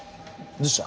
どうした？